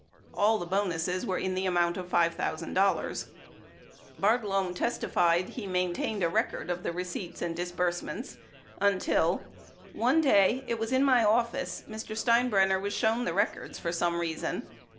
All the bonuses were in the amount of $5,000. Bartlome testified he maintained a record of the receipts and dis bursements until : One day — it was in my office — Mr. Steinbrenner was shown the records for some reason.